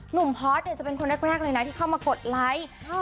หนุ่มพอสจะเป็นคนแรกที่เข้ามากดไลค์